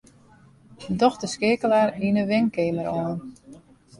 Doch de skeakeler yn 'e wenkeamer oan.